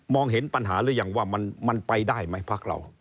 เห็นปัญหาหรือยังว่ามันไปได้ไหมพักเรา